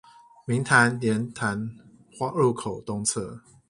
明潭蓮潭路口東側